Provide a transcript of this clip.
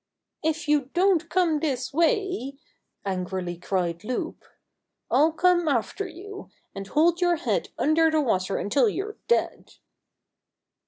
"If you don't come this way," angrily cried Loup, "I'll come after you, and hold your head under the water until you're dead."